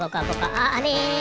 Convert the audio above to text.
あれ？